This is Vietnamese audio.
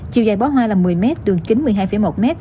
chiều dài bó hoa là một mươi m đường kính một mươi hai một m